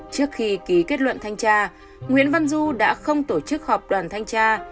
trước khi ký kết luận thanh tra nguyễn văn du đã không tổ chức họp đoàn thanh tra